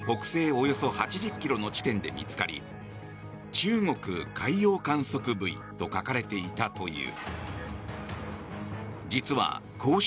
およそ８０ｋｍの地点で見つかり中国海洋観測ブイと書かれていたという。